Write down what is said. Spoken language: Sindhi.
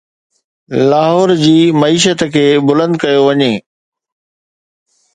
لاهور جي معيشت کي بلند ڪيو وڃي.